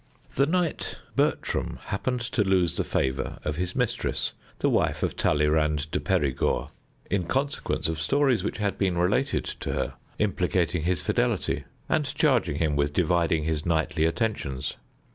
The knight Bertram happened to lose the favor of his mistress, the wife of Talleyrand de Perigord, in consequence of stories which had been related to her implicating his fidelity, and charging him with dividing his knightly attentions.